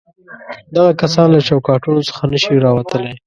دغه کسان له چوکاټونو څخه نه شي راوتلای.